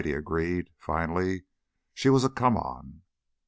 he agreed, finally. "She was a 'come on.'"